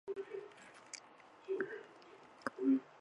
仰望着星空